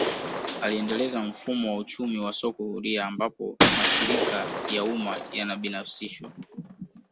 Aliendeleza mfumo wa uchumi wa soko huria ambapo mashirika ya umma yanabinafsishwa